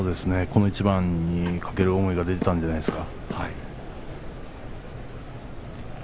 この一番に懸ける思いが出ていたんじゃないですか。